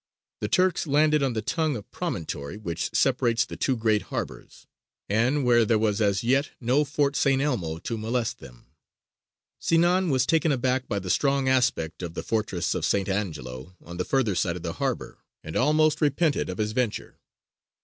The Turks landed on the tongue of promontory which separates the two great harbours, and where there was as yet no Fort St. Elmo to molest them. Sinān was taken aback by the strong aspect of the fortress of St. Angelo on the further side of the harbour, and almost repented of his venture.